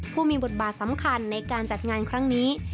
ผู้มีบทบาทสำคัญในการจัดงานครั้งนี้